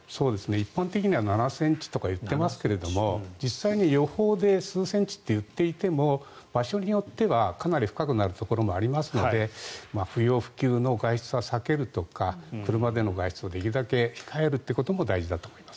一般的には７ｃｍとか言ってますけど実際に予報で数センチといっていても場所によってはかなり深くなるところもありますので不要不急の外出は避けるとか車での外出をできるだけ控えるということも大事だと思います。